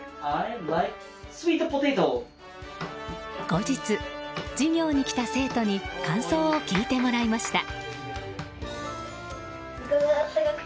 後日、授業に来た生徒に感想を聞いてもらいました。